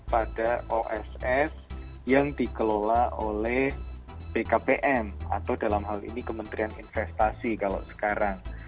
pada oss yang dikelola oleh bkpm atau dalam hal ini kementerian investasi kalau sekarang